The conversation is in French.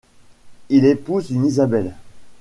Il épouse une Isabelle.